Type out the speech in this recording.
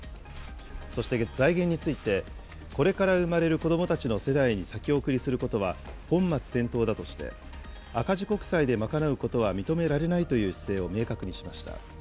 そして財源について、これから生まれる子どもたちの世代に先送りすることは本末転倒だとして、赤字国債で賄うことは認められないという姿勢を明確にしました。